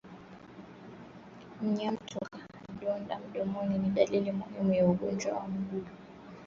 Mnyama kutokwa na vidonda mdomoni ni dalili muhimu ya ugonjwa wa miguu na midomo